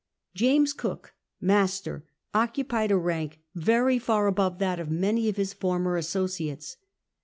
James Cook, master, occupied a rank very far above that of many of his former associates.